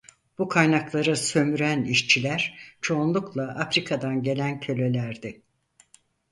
Bu kaynakları sömüren işçiler çoğunlukla Afrika'dan gelen kölelerdi.